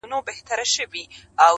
فرشتې زرغونوي سوځلي کلي-